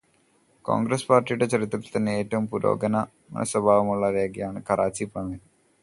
കോണ്ഗ്രസ്സ് പാര്ടിയുടെ ചരിത്രത്തിലെ തന്നെ ഏറ്റവും പുരോഗമനസ്വഭാവമുള്ള രേഖയാണ് കറാച്ചി പ്രമേയം.